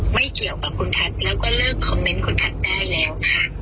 ไม่เกี่ยวกับคุณแพทย์แล้วก็เลิกคอมเมนต์คุณแพทย์ได้แล้วค่ะ